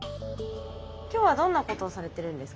今日はどんなことをされてるんですか？